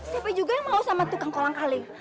siapa juga yang mau sama tukang kolang kaling